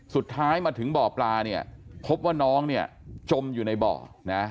สุดท้ายมาถึงบ่อปลาเนี่ยพบว่าน้องเนี่ยจมอยู่ในบ่อนะ